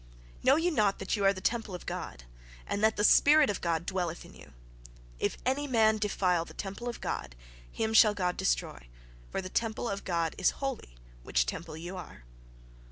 "Know ye not that ye are the temple of God, and that the spirit of God dwelleth in you? If any man defile the temple of God, him shall God destroy; for the temple of God is holy, which temple ye are."